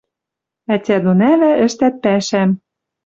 Ӓтя дон ӓвӓ ӹштӓт пӓшӓм